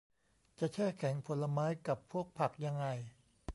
จะแช่แข็งผลไม้กับพวกผักยังไง